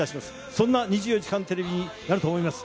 そんな２４時間テレビになると思います。